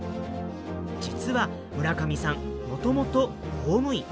実は村上さんもともと公務員。